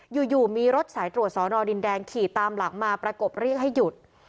อยู่มีรถสายตรวจสอนอดินแดงขี่ตามหลังมาประกบเรียกให้หยุด